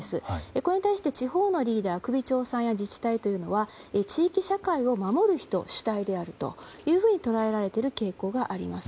これに対して、地方のリーダー首長さんや自治体というのは地域社会を守る人が主体であると捉えられている傾向があります。